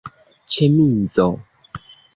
ĉemizo